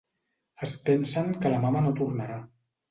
Es pensen que la mama no tornarà.